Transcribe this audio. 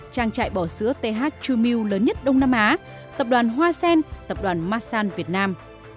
trang trại bò sữa th chu mie lớn nhất đông nam á tập đoàn hoa sen tập đoàn masan việt nam